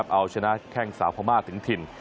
เอาชนะแข้งสาวพม่าถึงถิ่น